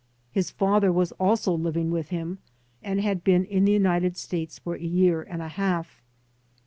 His father was also living with him and had been in the United States for a year and a half.